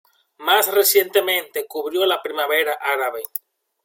Más recientemente, cubrió la Primavera Árabe.